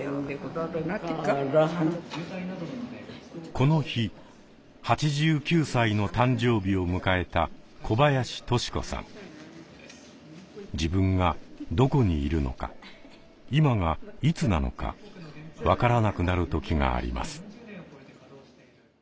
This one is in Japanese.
この日８９歳の誕生日を迎えた自分がどこにいるのか今がいつなのか分からなくなる時があります。